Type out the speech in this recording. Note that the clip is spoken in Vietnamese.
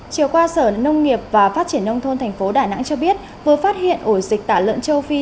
chiều qua sở nông nghiệp và phát triển nông thôn tp đà nẵng cho biết vừa phát hiện ổ dịch tả lợn châu phi